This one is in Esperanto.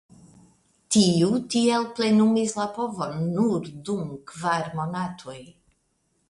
Tiu tiel plenumis la povon nur dum kvar monatoj.